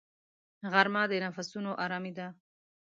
غرمه د نفسونو آرامي ده